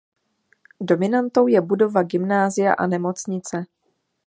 Dominantou je budova gymnázia a nemocnice.